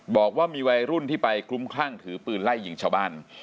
บอกว่ามีวัยรุ่นที่ไปคลุ้มคลั่งถือปืนไล่ยิงชาวบ้าน